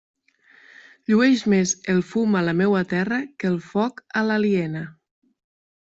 Llueix més el fum a la meua terra que el foc a l'aliena.